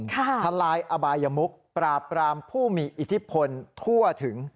ทลายอบายมุกปราบปรามผู้มีอิทธิพลทั่วถึง